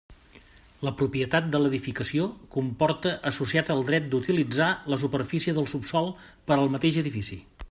La propietat de l'edificació comporta associat el dret d'utilitzar la superfície del subsòl per al mateix edifici.